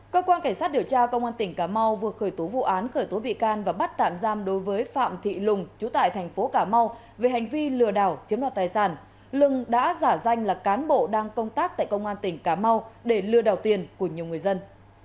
cơ quan cảnh sát điều tra công an tỉnh cà mau vừa khởi tố vụ án khởi tố bị can và bắt tạm giam đối với phạm thị lùng chú tại thành phố cà mau về hành vi lừa đảo chiếm đoạt tài sản lưng đã giả danh là cán bộ đang công tác tại công an tỉnh cà mau để lừa đảo tiền của nhiều người dân